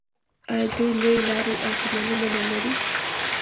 آیا دوی لویې لارې او تونلونه نلري؟